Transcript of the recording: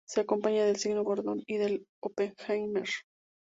Se acompaña del signo de Gordon y del de Oppenheimer.